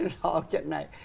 nói chuyện này